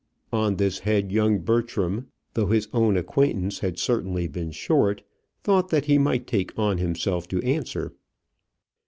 On this head young Bertram, though his own acquaintance had certainly been short, thought that he might take on himself to answer.